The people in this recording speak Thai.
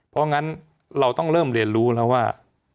เพราะงั้นเราต้องเริ่มเรียนรู้แล้วว่า